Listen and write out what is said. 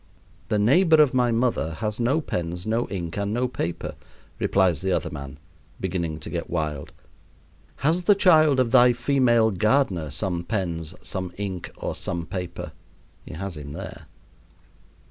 "The neighbor of my mother has no pens, no ink, and no paper," replies the other man, beginning to get wild. "Has the child of thy female gardener some pens, some ink, or some paper?" He has him there.